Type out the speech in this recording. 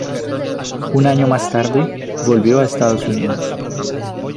Un año más tarde, volvió a Estados Unidos.